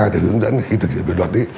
để hướng dẫn khi thực hiện được luật